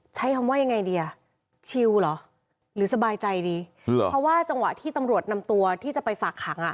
ใช้คำว่ายังไงดีอ่ะชิลเหรอหรือสบายใจดีเพราะว่าจังหวะที่ตำรวจนำตัวที่จะไปฝากขังอ่ะ